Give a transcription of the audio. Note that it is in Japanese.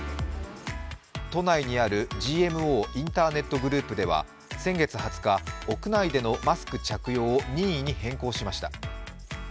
都内にあるＧＭＯインターネットグループでは先月２０日、屋内でのマスク着用を任意に変更しました。